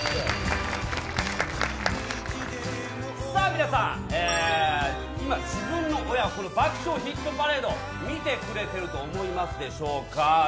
皆さん、今、自分の親が「爆笑ヒットパレード」を見てくれていると思いますでしょうか。